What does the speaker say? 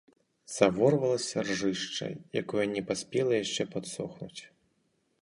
Заворвалася ржышча, якое не паспела яшчэ падсохнуць.